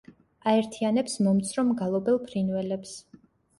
აერთიანებს მომცრო მგალობელ ფრინველებს.